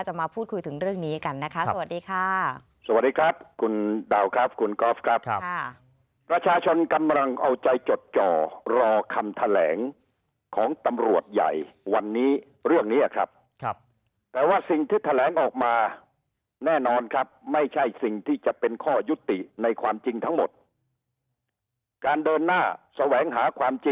จะมาพูดคุยถึงเรื่องนี้กันนะคะ